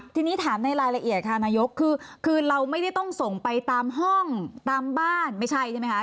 ทีนี้ถามในรายละเอียดค่ะนายกคือเราไม่ได้ต้องส่งไปตามห้องตามบ้านไม่ใช่ใช่ไหมคะ